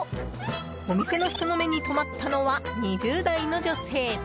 お店の人の目に留まったのは２０代の女性。